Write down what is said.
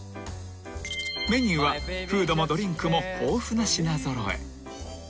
［メニューはフードもドリンクも豊富な品揃え］